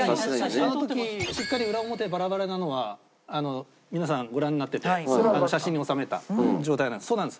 あの時しっかり裏表バラバラなのは皆さんご覧になってて写真に収めた状態なんです。